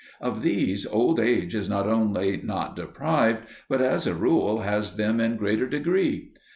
Of these old age is not only not deprived, but, as a rule, has them in a greater degree.